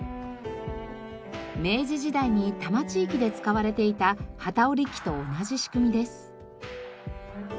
明治時代に多摩地域で使われていた機織り機と同じ仕組みです。